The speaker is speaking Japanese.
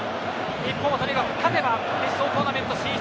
日本勝てば決勝トーナメント進出。